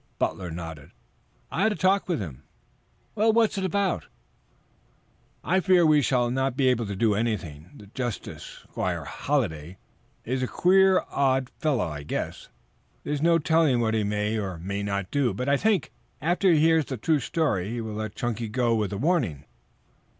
Butler nodded. "I had a talk with him." "Well, what about it?" "I fear we shall not be able to do anything. The justice, Squire Halliday, is a queer old fellow, I guess. There is no telling what he may or may not do, but I think, after he hears the true story, he will let Chunky go with a warning."